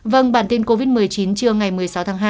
vâng bản tin covid một mươi chín trưa ngày một mươi sáu tháng hai